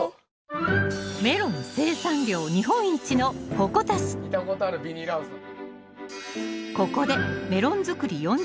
メロン生産量日本一の鉾田市見たことあるビニールハウスだ。